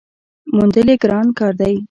موندل یې ګران کار دی .